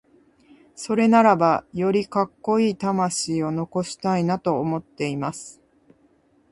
それならば、よりカッコイイ魂を残したいなと思っています。